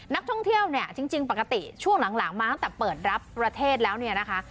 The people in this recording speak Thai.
นักท่องเที่ยวเนี่ยจริงปกติช่วงหลังมาตั้งแต่เปิดรับประเทศแล้วเนี่ยนะคะ